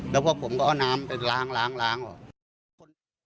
แล้วพวกผมก็เอาน้ำไปล้างออก